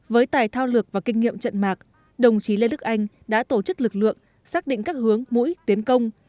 với tài thao lược và kinh nghiệm trận mạc đồng chí lê đức anh đã tổ chức lực lượng xác định các hướng mũi tiến công